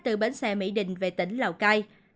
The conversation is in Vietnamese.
từ bến xe mỹ đình về tỉnh lào cai